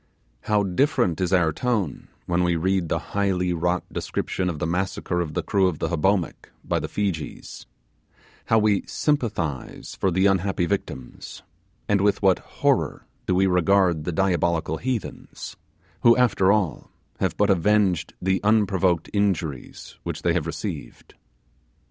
How different is our tone when we read the highly wrought description of the massacre of the crew of the Hobomak by the Feejees; how we sympathize for the unhappy victims, and with what horror do we regard the diabolical heathens, who, after all, have but avenged the unprovoked injuries which they have received.